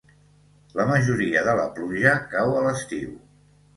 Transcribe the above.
La majoria de la pluja cau a l'estiu.